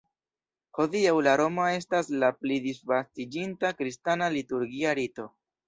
Hodiaŭ la roma estas la pli disvastiĝinta kristana liturgia rito.